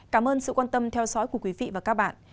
cảm ơn sự quan tâm theo dõi của quý vị và các bạn